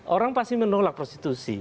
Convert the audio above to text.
orang pasti menolak prostitusi